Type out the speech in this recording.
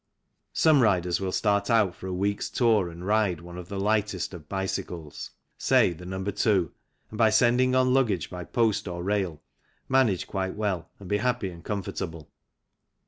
Some riders will start out for a week's tour and ride one of the lightest of bicycles, say, the No. 2, and by sending on luggage by post or rail manage quite well and be happy and comfortable.